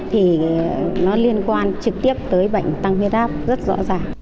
thì nó liên quan trực tiếp tới bệnh tăng huyết áp rất rõ ràng